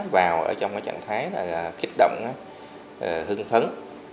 vào trong trạng thái kích động hưng phấn